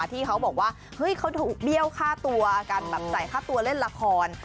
ที่เขาบอกว่าเฮ้ยเขาถูกเบี้ยวค่าตัวการแบบจ่ายค่าตัวเล่นละคร